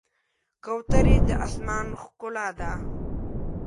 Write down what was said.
کوترې د آسمان ښکلا ده.